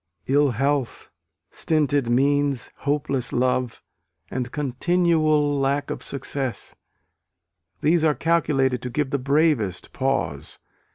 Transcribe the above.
Ill health, stinted means, hopeless love, and continual lack of success these are calculated to give the bravest pause.